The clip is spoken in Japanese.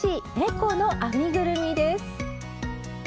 この編みぐるみです。